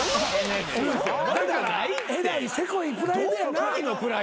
えらいセコいプライドやな。